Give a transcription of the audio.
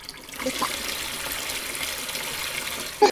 টেস্টের সবচেয়ে কঠিন চতুর্থ ইনিংসে সর্বোচ্চ সেঞ্চুরির বিশ্ব রেকর্ডও তাঁর দখলে।